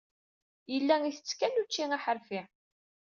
Yella ittett kan ucci aḥerfi.